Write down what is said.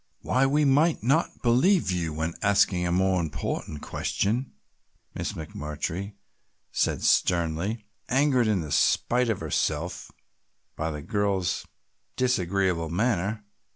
"Why we might not believe you when asking a more important question," Miss McMurtry said sternly, angered in spite of herself by the girl's disagreeable manner.